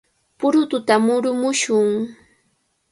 ¡Purututa murumushun!